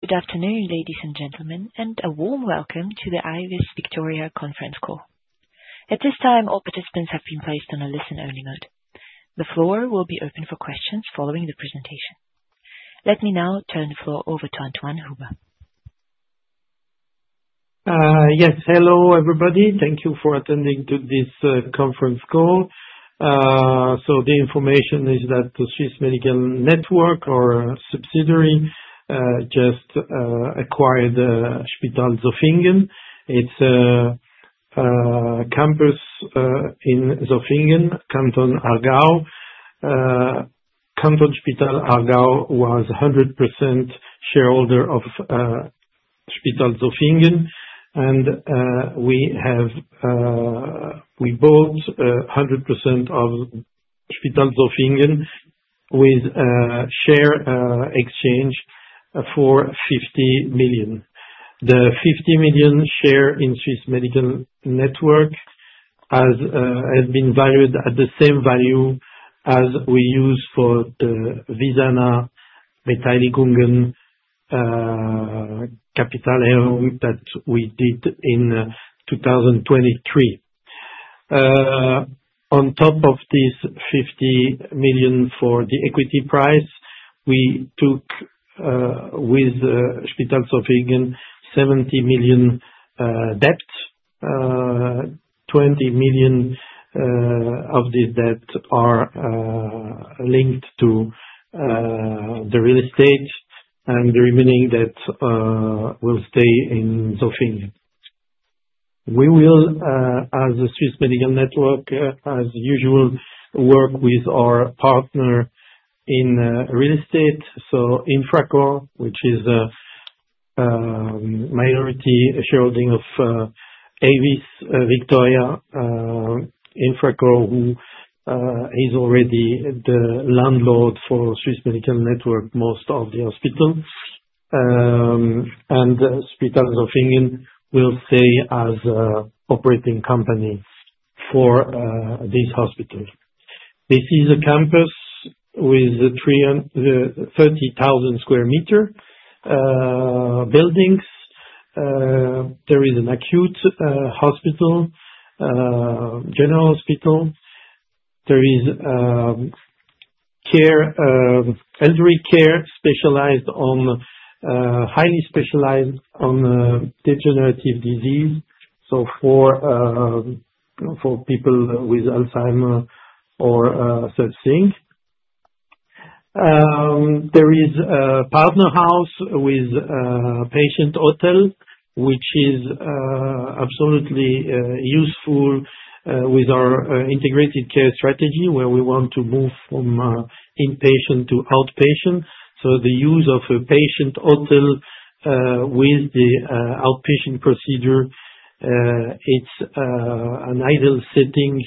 Good afternoon, ladies and gentlemen, and a warm welcome to the AEVIS VICTORIA conference call. At this time, all participants have been placed on a listen-only mode. The floor will be open for questions following the presentation. Let me now turn the floor over to Antoine Hubert. Yes. Hello everybody. Thank you for attending this conference call. The information is that the Swiss Medical Network, our subsidiary, just acquired Spital Zofingen. It's a campus in Zofingen, Canton Aargau. Kantonsspital Aarau AG was 100% shareholder of Spital Zofingen, we bought 100% of Spital Zofingen with a share exchange for 50 million. The 50 million share in Swiss Medical Network has been valued at the same value as we used for the Visana Beteiligungen capital increase that we did in 2023. On top of this 50 million for the equity price, we took with Spital Zofingen 70 million debt, 20 million of the debt are linked to the real estate and the remaining debt will stay in Zofingen. We will, as the Swiss Medical Network, as usual, work with our partner in real estate, Infracore, which is a minority shareholding of AEVIS VICTORIA. Infracore, who is already the landlord for Swiss Medical Network, most of the hospitals, and Spital Zofingen will stay as operating company for this hospital. This is a campus with 30,000 sq m buildings. There is an acute hospital, general hospital. There is elderly care, highly specialized on degenerative disease, so for people with Alzheimer or such things. There is a partner house with a patient hotel, which is absolutely useful with our integrated care strategy, where we want to move from inpatient to outpatient. The use of a patient hotel with the outpatient procedure, it's an ideal setting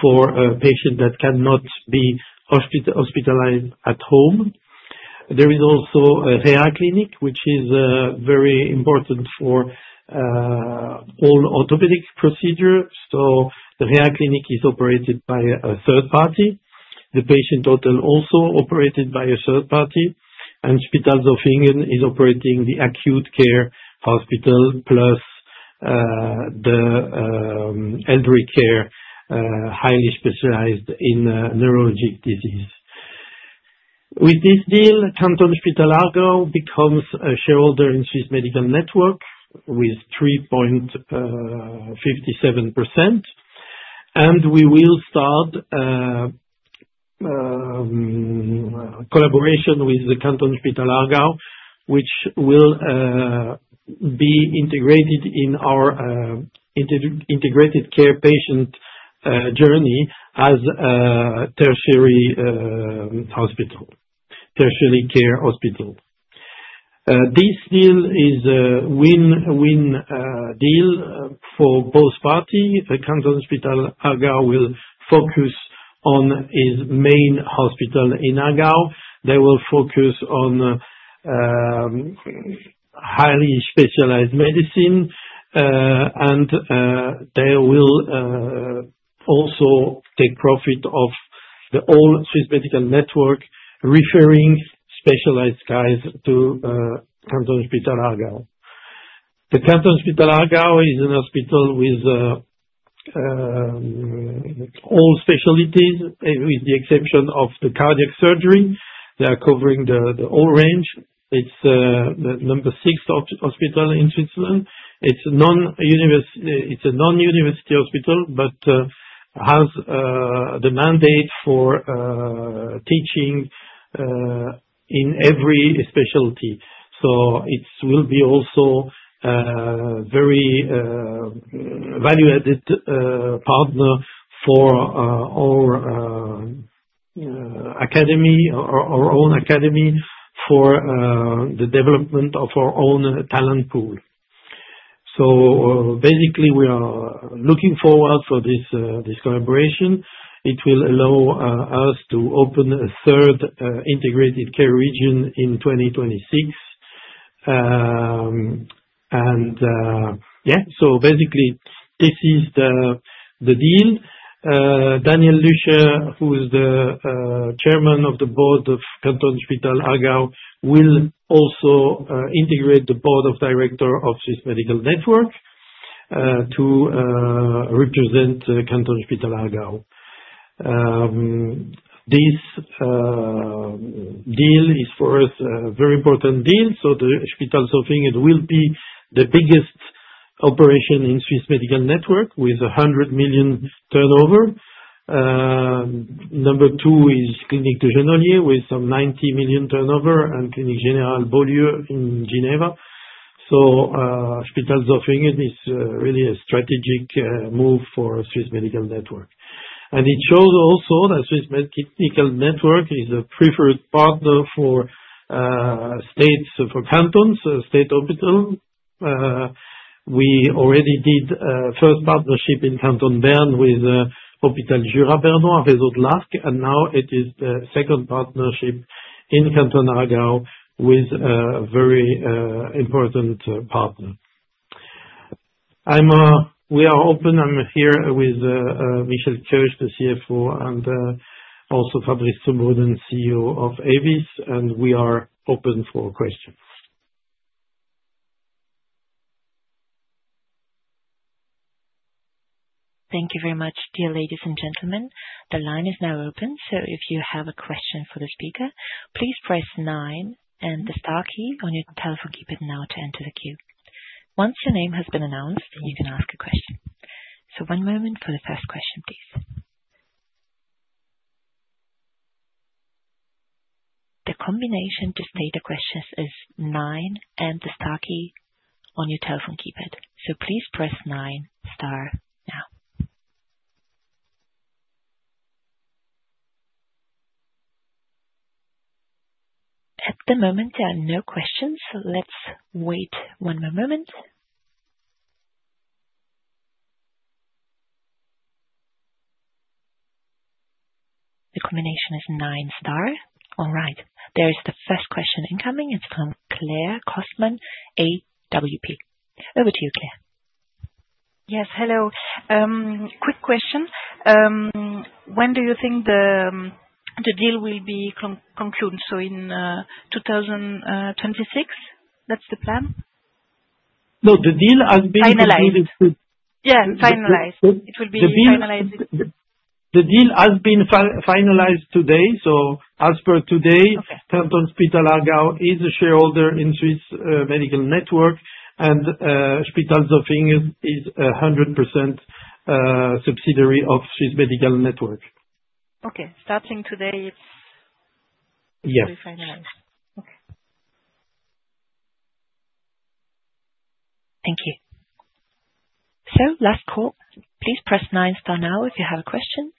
for a patient that cannot be hospitalized at home. There is also a reha clinic, which is very important for all orthopedic procedures. The reha clinic is operated by a third party, the patient hotel also operated by a third party, and Spital Zofingen is operating the acute care hospital plus the elderly care, highly specialized in neurologic disease. With this deal, Kantonsspital Aarau becomes a shareholder in Swiss Medical Network with 3.57%, and we will start collaboration with the Kantonsspital Aarau, which will be integrated in our integrated care patient journey as a tertiary care hospital. This deal is a win-win deal for both parties. The Kantonsspital Aarau will focus on its main hospital in Aargau. They will focus on highly specialized medicine, and they will also take profit of all Swiss Medical Network, referring specialized guys to Kantonsspital Aarau. The Kantonsspital Aarau is a hospital with all specialties, with the exception of the cardiac surgery. They're covering the whole range. It's the number six hospital in Switzerland. It's a non-university hospital, but has the mandate for teaching in every specialty. It will be also a very value-added partner for our own academy, for the development of our own talent pool. Basically, we are looking forward for this collaboration. It will allow us to open a third integrated care region in 2026. Yeah, basically this is the deal. Daniel Lüscher, who is the chairman of the board of Kantonsspital Aarau, will also integrate the board of director of Swiss Medical Network to represent Kantonsspital Aarau. This deal is for us a very important deal. Spital Zofingen will be the biggest operation in Swiss Medical Network with 100 million turnover. Number two is Clinique Genolier with some 90 million turnover and Clinique Générale-Beaulieu in Geneva. Spital Zofingen is really a strategic move for Swiss Medical Network. It shows also that Swiss Medical Network is a preferred partner for cantons, state hospitals. We already did a first partnership in Canton Vaud with Hôpital Jura bernois et Haut-Lac, and now it is the second partnership in Canton Aargau with a very important partner. We are open, I'm here with Michel Keusch, the CFO, and also public Chairman and CEO of AEVIS, and we are open for questions. Thank you very much. Dear ladies and gentlemen, the line is now open, so if you have a question for the speaker, please press nine and the star key on your telephone keypad now to enter the queue. Once your name has been announced, you can ask a question. One moment for the first question, please. The combination to state your questions is nine and the star key on your telephone keypad. Please press nine star now. At the moment, there are no questions. Let's wait one more moment. The combination is nine star. All right. There's the first question incoming. It's from Clare Cosman, AWP. Over to you, Clare. Yes. Hello. Quick question. When do you think the deal will be concluded? In 2026? That's the plan? No, the deal has been. Finalized. Yeah, finalized. It will be finalized. The deal has been finalized today, so as per today, Kantonsspital Aarau is a shareholder in Swiss Medical Network, and Spital Zofingen is 100% subsidiary of Swiss Medical Network. Okay. Starting today. Yes ...going to be finalized. Okay. Thank you. Last call. Please press nine star now if you have a question.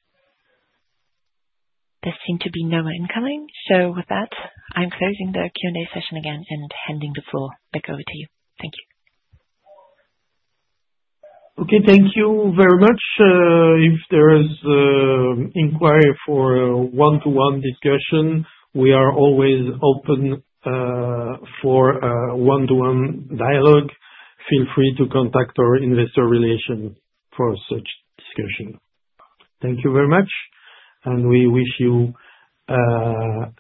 There seem to be no more incoming. With that, I'm closing the Q&A session again and handing the floor back over to you. Thank you. Okay. Thank you very much. If there is inquiry for a one-to-one discussion, we are always open for a one-to-one dialogue. Feel free to contact our investor relation for such discussion. Thank you very much, and we wish you a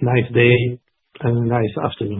nice day and nice afternoon.